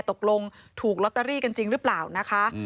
ตกลงถูกลอตเตอรี่กันจริงหรือเปล่านะคะ